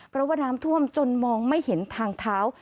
เพราะว่าน้ำท่วมจนมองไม่เห็นทางเท้า